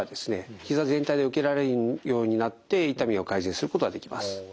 ひざ全体で受けられるようになって痛みを改善することができます。